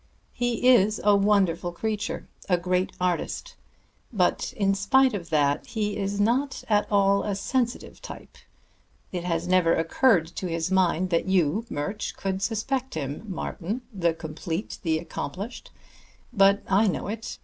He is a wonderful creature, a great artist; but in spite of that he is not at all a sensitive type. It has never occurred to his mind that you, Murch, could suspect him, Martin, the complete, the accomplished. But I know it.